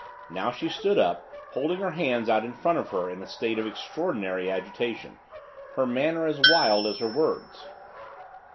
Now she stood up, holding her hands out in front of her in a state of extraordinary agitation, her manner as wild as her words.